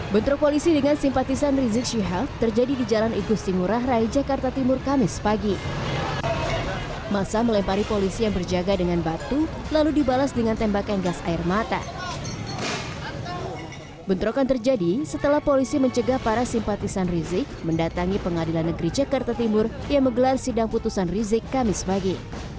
bentrokan terjadi setelah polisi mencegah para simpatisan rizik mendatangi pengadilan negeri jakarta timur yang menggelar sidang putusan rizik kamis pagi